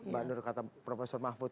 mbak nur kata prof mahfud